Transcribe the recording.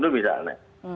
itu bisa tidak